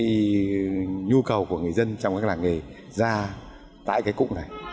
cái nhu cầu của người dân trong các làng nghề ra tại cái cụm này